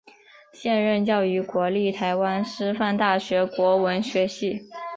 现任教于国立台湾师范大学国文学系。